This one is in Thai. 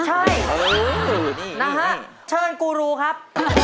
ใช่นะฮะเชิญกูรูครับ